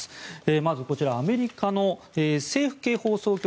まずこちら、アメリカの政府系放送局